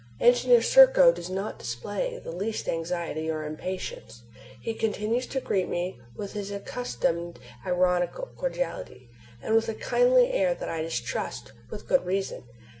Engineer Serko does not display the least anxiety or impatience. He continues to greet me with his accustomed ironical cordiality, and with a kindly air that I distrust with good reason.